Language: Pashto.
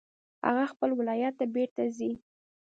هغه خپل ولایت ته بیرته ځي